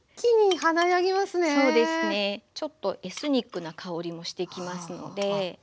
そうですねちょっとエスニックな香りもしてきますので。